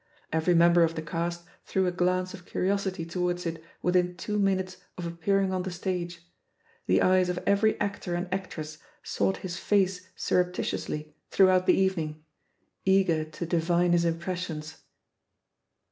Every member of the cast threw a glance of curiosity towards it within two minutes of appearing on the stage; the eyes of every actor and actress sought his face surrepti tiously throughout the evening, eager to divine his impressions.